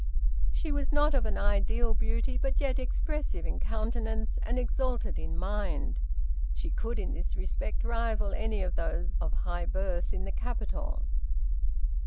She was not of an ideal beauty, but yet expressive in countenance and exalted in mind. She could, in this respect, rival any of those of high birth in the capital.